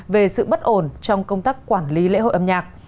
về sự bất ổn trong công tác quản lý lễ hội âm nhạc